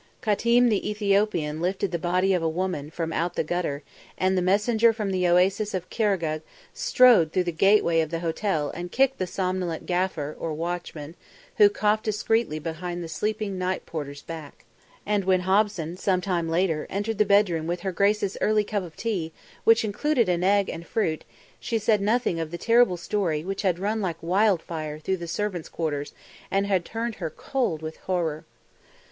Qatim the Ethiopian lifted the body of a woman from out the gutter, and the messenger from the Oasis of Khargegh strode through the gateway of the hotel and kicked the somnolent ghafir or watchman, who coughed discreetly behind the sleeping night porter's back. And when Hobson, some time later, entered the bedroom with her grace's early cup of tea, which included an egg and fruit, she said nothing of the terrible story which had run like wildfire through the servants' quarters and had turned her cold with horror.